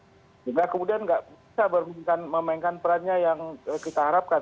juga kemudian tidak bisa memainkan perannya yang kita harapkan